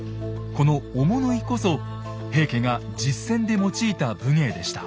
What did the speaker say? この追物射こそ平家が実戦で用いた武芸でした。